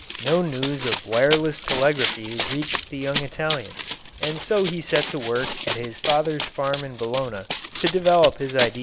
No news of wireless telegraphy reached the young Italian, and so he set to work at his father's farm in Bologna to develop his idea.